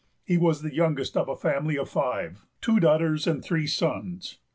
He was the youngest of a family of five, two daughters and three sons.